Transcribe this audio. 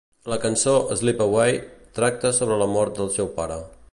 La cançó "Slip Away" tracta sobre la mort del seu pare.